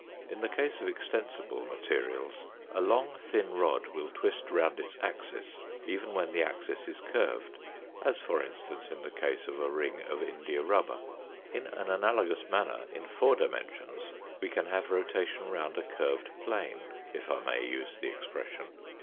In the case of extensible materials a long, thin rod will twist round its axis, even when the axis is curved, as, for instance, in the case of a ring of India rubber. RECAPITULATION AND EXTENSION 217 In an analogous manner, in four dimensions we can have rotation round a curved plane, if I may use the expression.